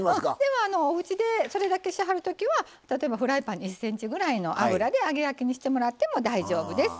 おうちでそれだけしはるときは例えばフライパンに１ｃｍぐらいの油で揚げ焼きにしてもらっても大丈夫です。